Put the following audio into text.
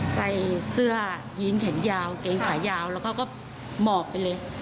ใส่เสื้อยีนแขนยาวเกงขายาวแล้วเขาก็หมอบไปเลย